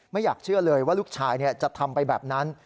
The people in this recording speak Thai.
ไม่อยากเชื่อเลยว่าลูกชายจะทำไปแบบนั้น